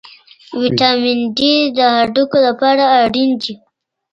ویټامن ډي د هډوکو لپاره اړین دی.